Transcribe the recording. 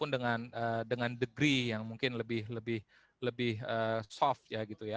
dengan dengan degree yang mungkin lebih lebih lebih soft ya gitu ya